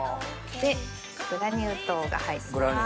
グラニュー糖が入ります。